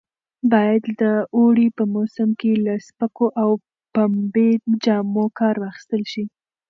باید د اوړي په موسم کې له سپکو او پنبې جامو کار واخیستل شي.